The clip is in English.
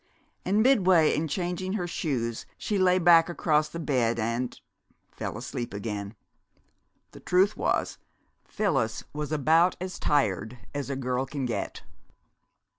And midway in changing her shoes she lay back across the bed and fell asleep again. The truth was, Phyllis was about as tired as a girl can get.